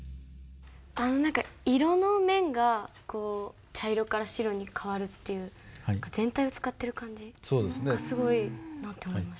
何か色の面が茶色から白に変わるっていう全体を使ってる感じがすごいなと思いました。